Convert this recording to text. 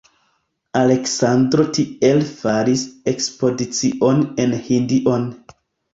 Aleksandro tiele faris ekspedicion en Hindion.